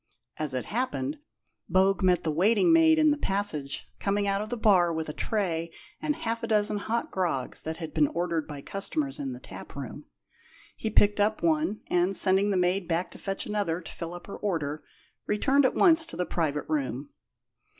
As it happened, Bogue met the waiting maid in the passage, coming out of the bar with a tray and half a dozen hot grogs that had been ordered by customers in the tap room. He picked up one, and, sending the maid back to fetch another to fill up her order, returned at once to the private room.